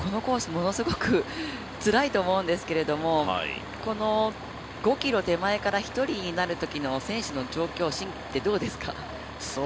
ものすごくつらいと思うんですけれども５ｋｍ手前から一人になるときの選手の心境ってどうですか？